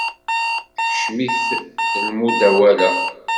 Tekcem-it lmudawala.